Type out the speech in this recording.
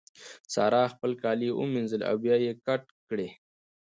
سارا خپل کالي ومينځل او بيا يې کت کړې.